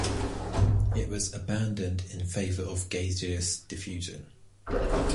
It was abandoned in favor of gaseous diffusion.